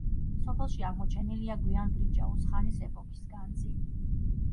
სოფელში აღმოჩენილია გვიან ბრინჯაოს ხანის ეპოქის განძი.